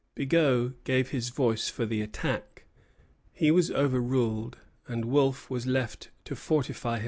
Bigot gave his voice for the attack. He was overruled, and Wolfe was left to fortify himself in peace.